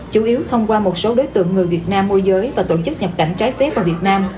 chủ yếu thông qua một số đối tượng người việt nam môi giới và tổ chức nhập cảnh trái phép vào việt nam